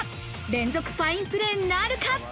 連続ファインプレーなるか。